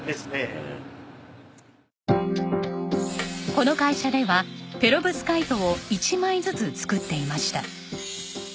この会社ではペロブスカイトを一枚ずつ作っていました。